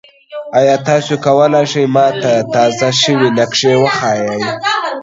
ایا تاسو کولی شئ ما ته تازه شوي نقشې وښایئ؟